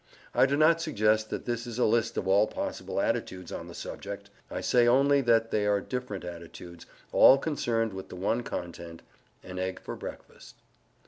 I do not suggest that this is a list of all possible attitudes on the subject; I say only that they are different attitudes, all concerned with the one content "an egg for breakfast."